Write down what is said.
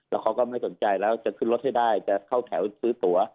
แล้วเขาก็ไม่สนใจแล้วจะขึ้นรถให้ได้จะเข้าแถวซื้อตัว